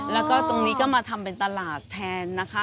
แล้วก็ตรงนี้ก็มาทำเป็นตลาดแทนนะคะ